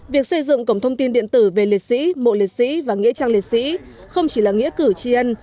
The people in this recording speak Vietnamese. việc xây dựng cổng thông tin điện tử về liệt sĩ mộ liệt sĩ và nghĩa trang liệt sĩ không chỉ là nghĩa cử tri ân